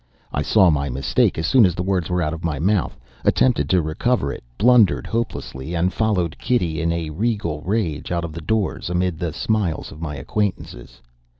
I saw my mistake as soon as the words were out of my mouth: attempted to recover it; blundered hopelessly and followed Kitty in a regal rage, out of doors, amid the smiles of my acquaintances.